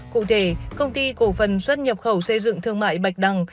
cụ thể công ty cổ phần xuất nhập khẩu xây dựng thương mại bạch đằng